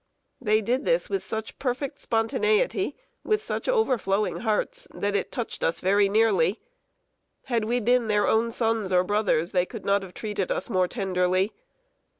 They did this with such perfect spontaneity, with such overflowing hearts, that it touched us very nearly. Had we been their own sons or brothers, they could not have treated us more tenderly.